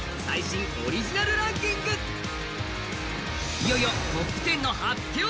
いよいよトップ１０の発表。